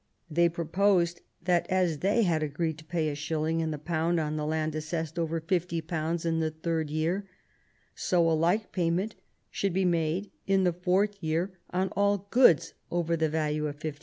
They proposed that as they had agreed to pay a shilling in the pound on land assessed over £60 in the third year, so a like pay ment should be made in the fourth year on all goods over the value of £50.